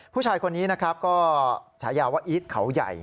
ผู้ชายคนนี้ก็ชะยาวว่าอีสเขาใหญ่